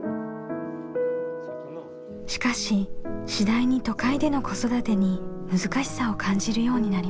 しかし次第に都会での子育てに難しさを感じるようになりました。